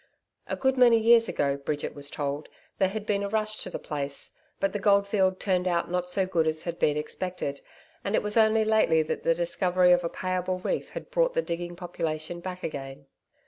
A good many years ago, Bridget was told, there had been a rush to the place, but the gold field turned out not so good as had been expected, and it was only lately that the discovery of a payable reef had brought the digging population back again.